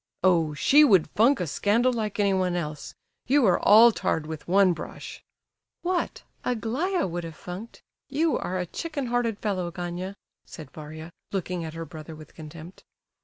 "Oh, she would funk a scandal like anyone else. You are all tarred with one brush!" "What! Aglaya would have funked? You are a chicken hearted fellow, Gania!" said Varia, looking at her brother with contempt.